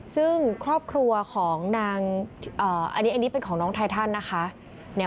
ซึ่งครอบครัวของนางอันนี้เป็นของน้องไททันนะคะ